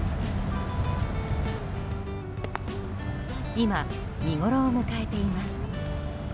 今、見ごろを迎えています。